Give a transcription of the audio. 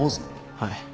はい。